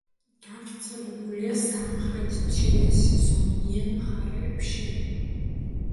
გავრცელებულია სამხრეთ ჩილეს ზომიერ მხარეებში.